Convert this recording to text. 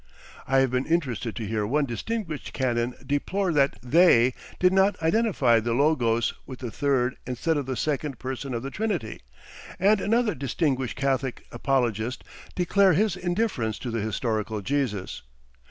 I have been interested to hear one distinguished Canon deplore that "they" did not identify the Logos with the third instead of the second Person of the Trinity, and another distinguished Catholic apologist declare his indifference to the "historical Jesus."